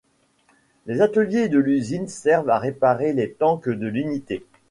Les ateliers de l'usine servent à réparer les tanks de l'unité.